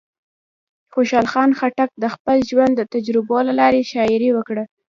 خوشحال خان خټک د خپل ژوند د تجربو له لارې شاعري وکړه.